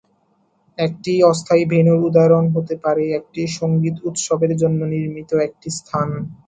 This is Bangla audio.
একটি অস্থায়ী ভেন্যুর উদাহরণ হতে পারে একটি সঙ্গীত উৎসবের জন্য নির্মিত একটি স্থান।